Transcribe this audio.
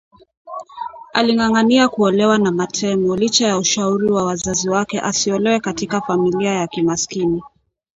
Aling’ang’ania kuolewa na Matemo licha ya ushauri wa wazazi wake asiolewe katika familia ya kimaskini